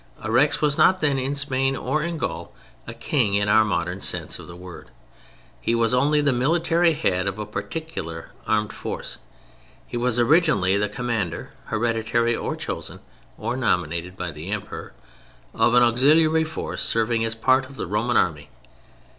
A Rex was not then, in Spain, or in Gaul, a King in our modern sense of the word: he was only the military head of a particular armed force. He was originally the commander (hereditary or chosen or nominated by the Emperor) of an auxiliary force serving as part of the Roman Army.